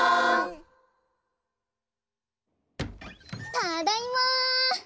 ただいま！